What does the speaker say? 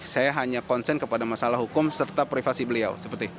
saya hanya konsen kepada masalah hukum serta privasi beliau